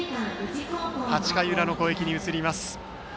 ８回裏の攻撃に移ります。